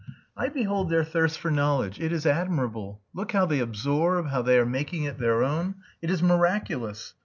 I behold their thirst for knowledge. It is admirable. Look how they absorb, how they are making it their own. It is miraculous.